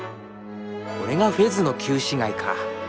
これがフェズの旧市街かあ。